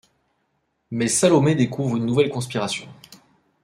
Mais Salomé découvre une nouvelle conspiration.